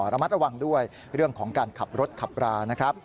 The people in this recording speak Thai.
ระมัดระวังด้วยเรื่องของการขับรถขับรานะครับ